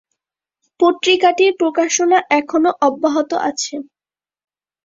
পত্রিকাটির প্রকাশনা এখনও অব্যাহত আছে।